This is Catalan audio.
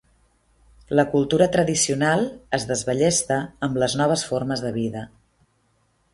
La cultura tradicional es desballesta amb les noves formes de vida.